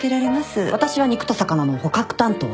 私は肉と魚の捕獲担当で。